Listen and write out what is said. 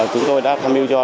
chúng tôi đã tham mưu cho